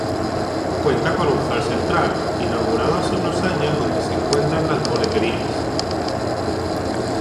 Cuenta con un hall central, inaugurado hace unos años donde se encuentran las boleterías.